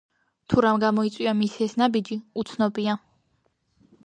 თუ რამ გამოიწვია მისი ეს ნაბიჯი, უცნობია.